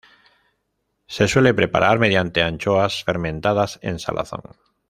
Se suele preparar mediante anchoas fermentadas en salazón.